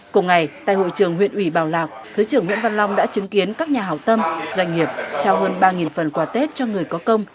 cùng ngày tại hội trường huyện ủy bảo lạc thứ trưởng nguyễn văn long đã chứng kiến các nhà hảo tâm doanh nghiệp trao hơn ba phần quà tết cho người có công